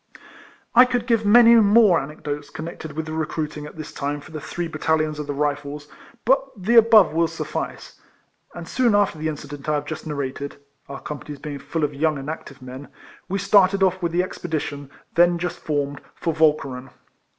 I could give many more anecdotes con nected with the recruiting at this time for the three battalions of Rifles, but the above will suffice ; and soon after the incident I have just narrated (our companies being full of young and active men), we started off with the expedition, then just formed, for Walcheren.